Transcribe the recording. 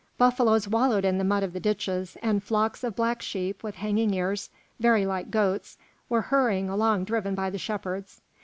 Buffaloes wallowed in the mud of the ditches, and flocks of black sheep with hanging ears, very like goats, were hurrying along driven by the shepherds.